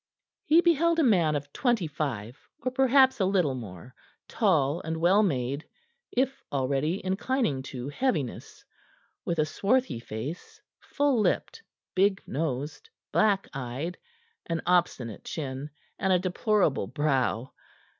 He beheld a man of twenty five, or perhaps a little more, tall and well made, if already inclining to heaviness, with a swarthy face, full lipped, big nosed, black eyed, an obstinate chin, and a deplorable brow.